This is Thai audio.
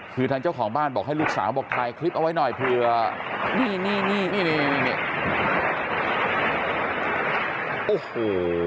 คือทางเจ้าของบ้านบอกให้ลูกสาวบอกถ่ายคลิปเอาไว้หน่อยเผื่อนี่นี่นี่โอ้โห